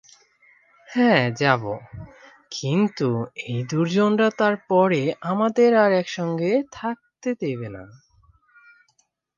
হাঁ যাব, কিন্তু ঐ দূর্জনরা তার পরে আমাদের আর একসঙ্গে থাকতে দেবে না।